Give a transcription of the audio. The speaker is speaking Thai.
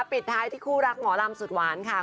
ปิดท้ายที่คู่รักหมอลำสุดหวานค่ะ